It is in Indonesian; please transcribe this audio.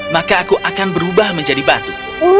maka aku akan berubah menjadi batu